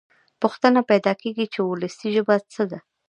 پوښتنه پیدا کېږي چې وولسي ژبه څه ده.